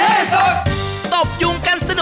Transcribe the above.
อุ๊ยอีกนึงอีกงนั้น